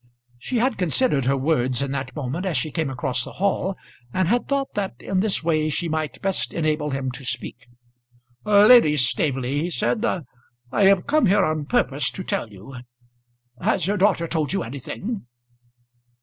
She had considered her words in that moment as she came across the hall, and had thought that in this way she might best enable him to speak. "Lady Staveley," he said, "I have come here on purpose to tell you. Has your daughter told you anything?"